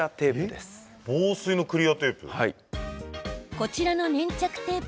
こちらの粘着テープ。